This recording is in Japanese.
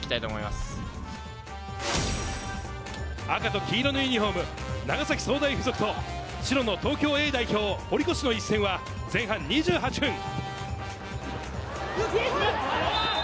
赤と黄色のユニホーム、長崎総大附属と白の東京Ａ代表・堀越の一戦は前半２８分。